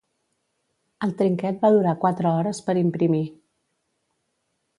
El trinquet va durar quatre hores per imprimir.